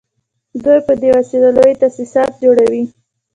دوی په دې وسیله لوی تاسیسات جوړوي